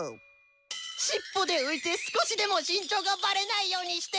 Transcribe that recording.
しっぽで浮いて少しでも身長がバレないようにしてるのに！